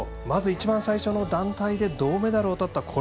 まず一番最初の団体で銅メダルをとった。